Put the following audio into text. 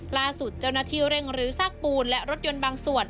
ล่าสุดเจ้าหน้าที่เร่งรื้อซากปูนและรถยนต์บางส่วน